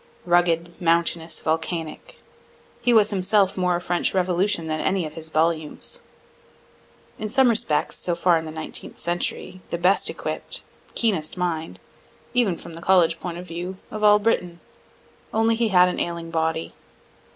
Rugged, mountainous, volcanic, he was himself more a French revolution than any of his volumes. In some respects, so far in the Nineteenth century, the best equipt, keenest mind, even from the college point of view, of all Britain; only he had an ailing body.